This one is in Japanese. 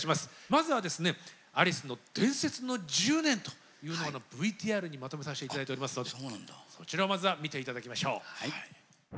まずはですねアリスの伝説の１０年というものをＶＴＲにまとめさせて頂いておりますのでそちらをまずは見て頂きましょう。